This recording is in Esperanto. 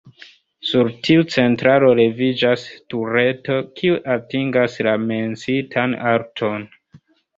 Sur tiu centralo leviĝas tureto, kiu atingas la menciitan alton.